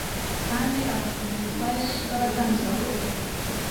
kandi agapfobya ubutware bw'abatambyi bakuru.